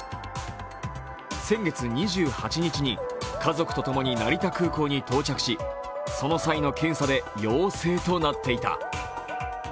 先月２８日に家族とともに成田空港に到着しその際の検査で陽性となっていた。